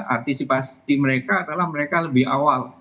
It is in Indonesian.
antisipasi mereka adalah mereka lebih awal